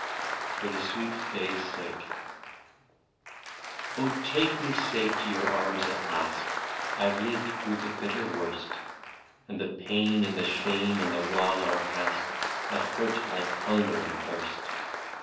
no FOR THE SWEET DAY'S SAKE. Oh ! take me safe to your arms at last, — I 've lived through the bitter worst ; And the pain and the shame and the wrong are past, That hurt like hunger and thirst.